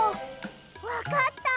わかった！